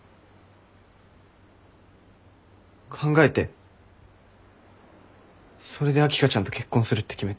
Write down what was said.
考えてそれで秋香ちゃんと結婚するって決めた。